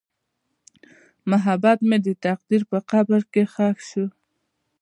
محبت مې د تقدیر په قبر کې ښخ شو.